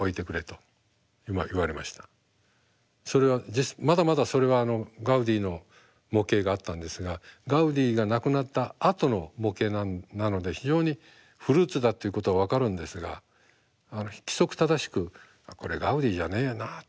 それはまだまだそれはガウディの模型があったんですがガウディが亡くなったあとの模型なので非常にフルーツだっていうことは分かるんですが規則正しく「これガウディじゃねえな」と。